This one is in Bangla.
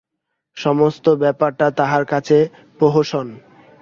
সমস্ত ব্যাপারটা তাহার কাছে প্রহসন।